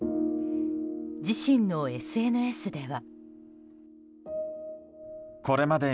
自身のＳＮＳでは。